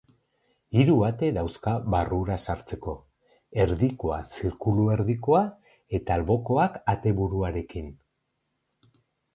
Hiru ate dauzka barrura sartzeko, erdikoa zirkuluerdikoa eta albokoak ateburuarekin.